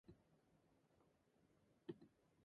He was promoted to the senior side at age sixteen.